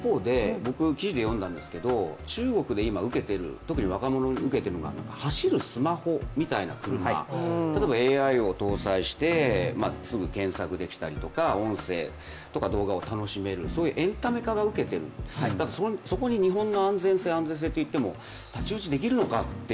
一方で、中国で今、特に若者にウケているのが走るスマホみたいな車、例えばＡＩを搭載してすぐ検索できたりとか、音声とか動画を楽しめるそういうエンタメ化がウケているそこに日本の安全性、安全性といっても太刀打ちできるのか。